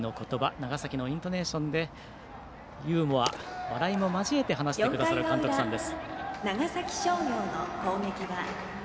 長崎のイントネーションでユーモア、笑いも交えて話してくださる監督さんです。